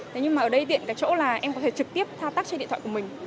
thế nhưng mà ở đây tiện cái chỗ là em có thể trực tiếp thao tác trên điện thoại của mình